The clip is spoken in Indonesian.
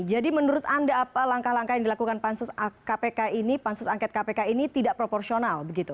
jadi menurut anda apa langkah langkah yang dilakukan pansus kpk ini pansus angket kpk ini tidak proporsional begitu